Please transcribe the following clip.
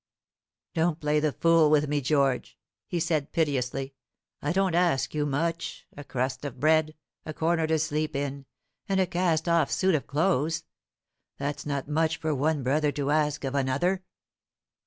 "Don't play the fool with me, George," he said piteously. "I don't ask you much a crust of bread, a corner to sleep in, and a cast off suit of clothes: that's not much for one brother to ask of another."